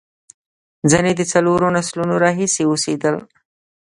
ځینې د څلورو نسلونو راهیسې اوسېدل.